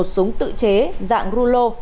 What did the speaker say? một súng tự chế dạng rulo